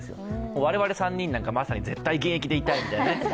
我々３人なんか、まさに絶対現役でいたいみたいな。